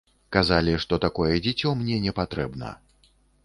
Казалі, што такое дзіцё мне не патрэбна.